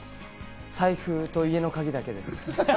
財布と家の鍵だけです。